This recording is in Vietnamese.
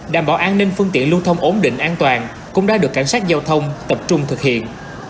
đảm bảo an ninh phương tiện lưu thông ổn định an toàn cũng đã được cảnh sát giao thông tập trung thực hiện